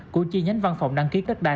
của chi nhánh văn phòng đăng ký đất đai